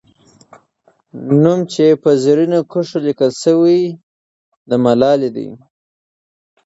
نوم چې په زرینو کرښو لیکل سوی، د ملالۍ دی.